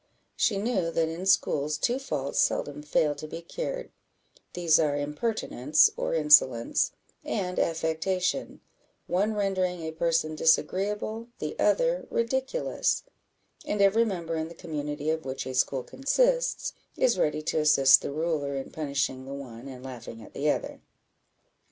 She knew that, in schools, two faults seldom fail to be cured: these are impertinence, or insolence, and affectation one rendering a person disagreeable, the other ridiculous; and every member in the community of which a school consists, is ready to assist the ruler in punishing the one, and laughing at the other.